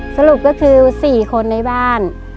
สรุปก็คือ๔คนในบ้าน